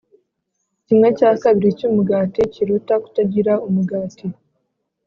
kimwe cya kabiri cyumugati kiruta kutagira umugati.